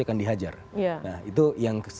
akan dihajar nah itu yang